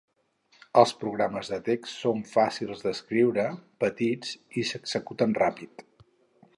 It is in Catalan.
Els programes de text són fàcils d'escriure, petits i s'executen ràpid.